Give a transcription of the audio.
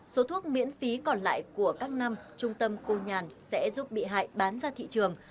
số thuốc miễn phí còn lại của các năm trung tâm cô nhàn sẽ giúp bị hại bán ra thị trường